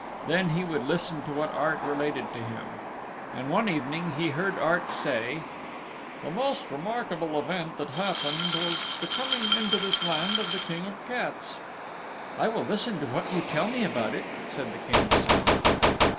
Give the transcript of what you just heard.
Then he would listen to what Art related to him. And one evening he heard Art say, "The most remarkable event that happened was the coming into this land of the King of the Cats." "I will listen to what you tell me about it," said the King's Son.